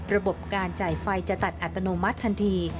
ระบบการจ่ายไฟจะตัดอัตโนมัติทันที